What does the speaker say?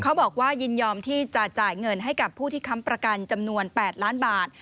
บอกว่ายินยอมที่จะจ่ายเงินให้กับผู้ที่ค้ำประกันจำนวน๘ล้านบาท